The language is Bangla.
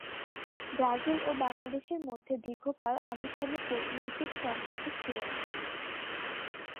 ব্রাজিল ও বাংলাদেশের মধ্যে দীর্ঘকাল আনুষ্ঠানিক কূটনৈতিক সম্পর্ক ছিল না।